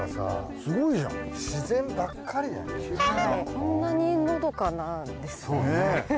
こんなにのどかなんですね。